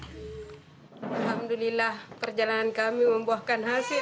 alhamdulillah perjalanan kami membuahkan hasil